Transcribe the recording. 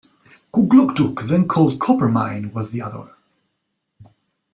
Kugluktuk, then called Coppermine, was the other.